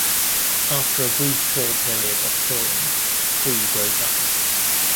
After a brief tour period of touring Free broke up.